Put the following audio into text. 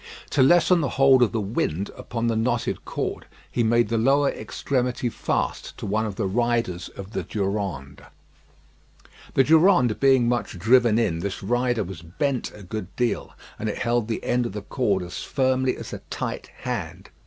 To lessen the hold of the wind upon the knotted cord, he made the lower extremity fast to one of the riders of the Durande. The Durande being much driven in, this rider was bent a good deal, and it held the end of the cord as firmly as a tight hand.